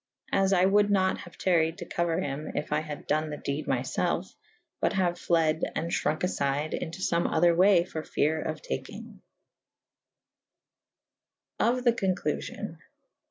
As I wolde nat haue taryed to couer hym yf I had done the dede my felfe : but haue fled and fhronke afyde into fome other way for feare of takynge. Of the concluiion.